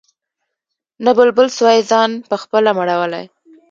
نه بلبل سوای ځان پخپله مړولای